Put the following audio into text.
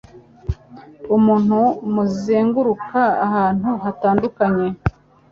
umuntu muzenguruka ahantu hatandukanye,